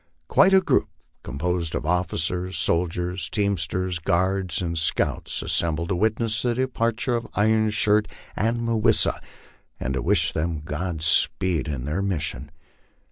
Quite a group, composed of officers, soldiers, teamsters, guards, and scouts, assembled to witness the departure of Iron Shirt and Mah wis sa, and to wish them God speed in their mission.